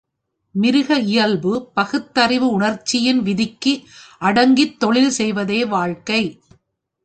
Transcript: மிருக இயல்பு பகுத்தறிவு உணர்ச்சியின் விதிக்கு அடங்கித் தொழில் செய்வதே வாழ்க்கை.